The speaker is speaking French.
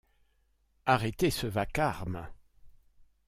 Arrêtez ce vacarme !